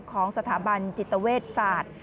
ของสถาบันจิตเวชศาสตร์